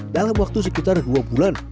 dalam waktu sekitar dua bulan